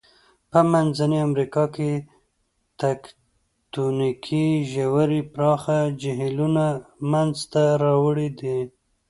په منځنۍ امریکا کې تکتونیکي ژورې پراخه جهیلونه منځته راوړي دي.